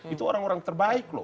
itu orang orang terbaik loh